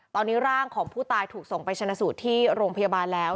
ตอนนี้ร่างของผู้ตายถูกส่งไปชนะสูตรที่โรงพยาบาลแล้ว